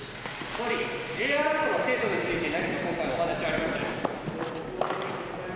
総理、Ｊアラートの精度について何かお話はありますか。